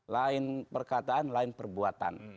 lain perkataan lain perbuatan